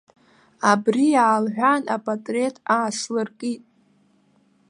Абри аалҳәан, апатреҭ ааслыркит.